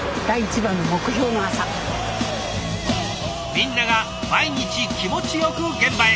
みんなが毎日気持ちよく現場へ。